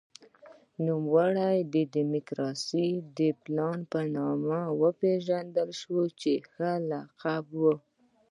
نوموړی د دموکراسۍ د پلار په نامه وپېژندل شو چې ښه لقب و.